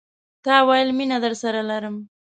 تا ويل، میینه درسره لرم